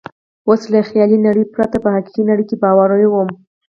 اوس له خیالي نړۍ پرته په حقیقي نړۍ کې باوري وم.